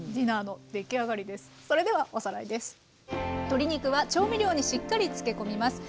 鶏肉は調味料にしっかり漬け込みます。